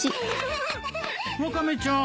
ワカメちゃん。